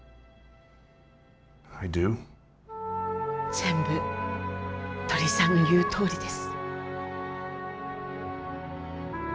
全部鳥居さんの言うとおりです。